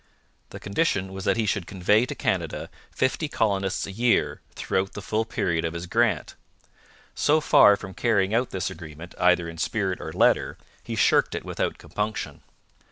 The condition was that he should convey to Canada fifty colonists a year throughout the full period of his grant. So far from carrying out this agreement either in spirit or letter, he shirked it without compunction.